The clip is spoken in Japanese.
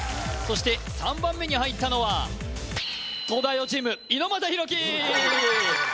そして３番目に入ったのは東大王チーム猪俣大輝